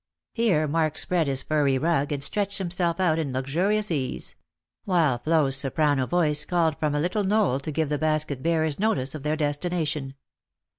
Here Mark spread his furry rug, and stretched himself out in luxurious ease ; while Flo's soprano voice called from a little knoll to give the basket bearers notice of their destination.